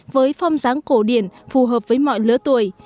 với phong dáng cổ điển phù hợp với mọi lứa tuổi